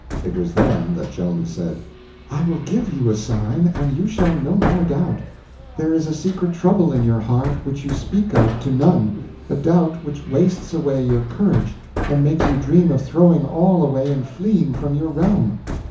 It was then that Joan said: "I will give you a sign, and you shall no more doubt. There is a secret trouble in your heart which you speak of to none—a doubt which wastes away your courage, and makes you dream of throwing all away and fleeing from your realm.